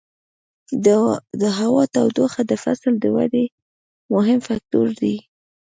د هوا تودوخه د فصل د ودې مهم فکتور دی.